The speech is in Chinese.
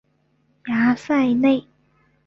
雅塞内。